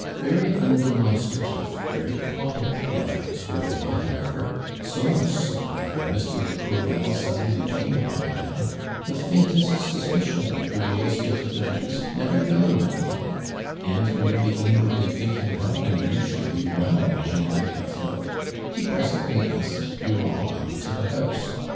Very undemonstrative, very quiet lovers were they, however, so much so that when Mr. De Courval suddenly came upon them, the faintest suspicion of the real state of mattei s never dawned on him, and merely inwardly thinking how unusually well Gene vieve looked, he pressingly asked Durand up to the house.